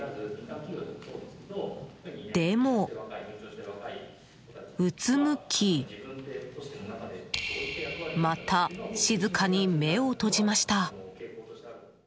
でも、うつむきまた静かに目を閉じました。